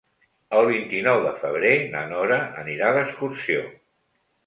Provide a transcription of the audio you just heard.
El vint-i-nou de febrer na Nora anirà d'excursió.